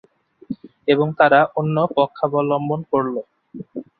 এবং তারা অন্য পক্ষাবলম্বন করলো।